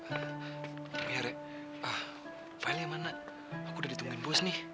apa ya re file nya mana aku udah ditungguin bos nih